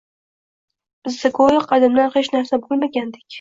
Bizda go’yo qadimda hech narsa bo’lmagandek